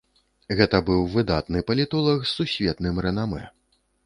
Гэта быў выдатны палітолаг з сусветным рэнамэ.